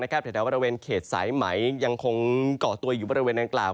แถวบริเวณเขตสายไหมยังคงเกาะตัวอยู่บริเวณนางกล่าว